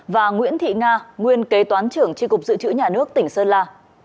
và nguyễn thị nga nguyên kế toán trưởng tri cục dự trữ nhà nước tỉnh sơn la